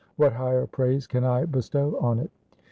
What higher praise can I bestow on it